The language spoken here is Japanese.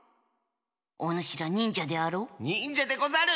おぬしらにんじゃであろう？にんじゃでござる！